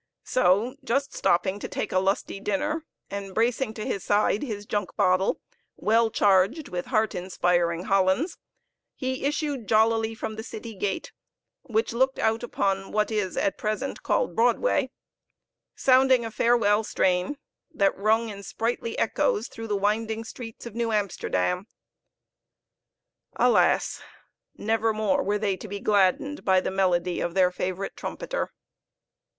So just stopping to take a lusty dinner, and bracing to his side his junk bottle, well charged with heart inspiring Hollands, he issued jollily from the city gate, which looked out upon what is at present called Broadway; sounding a farewell strain, that rung in sprightly echoes through the winding streets of New Amsterdam. Alas! never more were they to be gladdened by the melody of their favorite trumpeter.